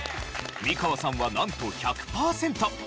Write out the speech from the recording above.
美川さんはなんと１００パーセント。